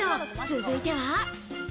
続いては。